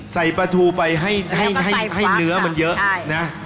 ปลาทูไปให้เนื้อมันเยอะนะ